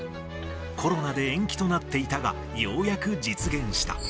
コロナで延期となっていたが、ようやく実現した。